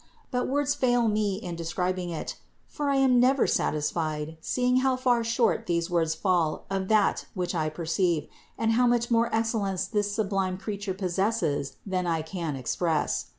But words fail me in describing it: for I am never satisfied, 2—24 350 CITY OF GOD seeing how far short these words fall of that which I perceive and how much more excellence this sublime Creature possesses than I can express.